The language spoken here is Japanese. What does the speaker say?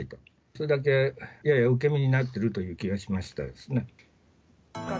それだけやや受け身になってるという気がいたしましたですね。